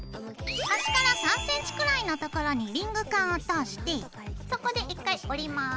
端から３ｃｍくらいのところにリングカンを通してそこで１回折ります。